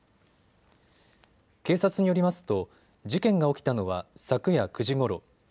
警察によりますと事件が起きたのは昨夜９時ごろ。